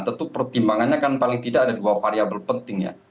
tentu pertimbangannya kan paling tidak ada dua variable penting ya